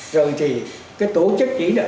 rồi thì cái tổ chức chỉ đạo